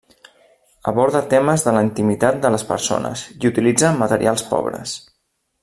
Aborda temes de la intimitat de les persones i utilitza materials pobres.